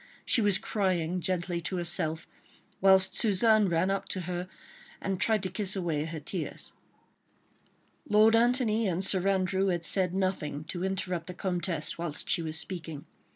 She was crying gently to herself, whilst Suzanne ran up to her and tried to kiss away her tears. Lord Antony and Sir Andrew had said nothing to interrupt the Comtesse whilst she was speaking.